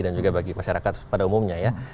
dan juga bagi masyarakat pada umumnya ya